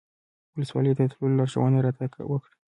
ولسوالۍ ته د تللو لارښوونه راته وکړه.